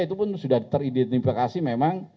itu pun sudah teridentifikasi memang